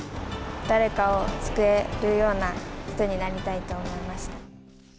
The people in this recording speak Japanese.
誰かを救えるような人になりたいと思いました。